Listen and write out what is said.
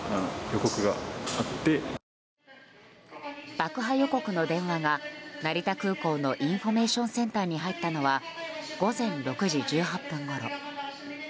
爆破予告の電話が成田空港のインフォメーションセンターに入ったのは午前６時１８分ごろ。